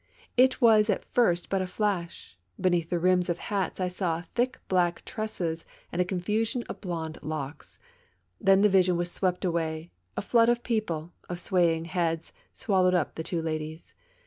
It was at first but a flash : beneath the rims of hats I saw thick black tresses and a confusion of blonde locks ; then the vision was swept away, a flood of people, of swaying heads, swal lowed up the two ladies.